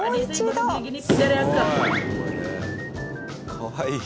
かわいい。